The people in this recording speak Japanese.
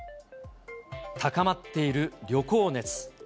高まっている旅行熱。